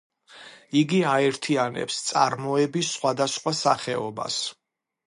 იგი აერთიანებს წარმოების სხვადასხვა სახეობას.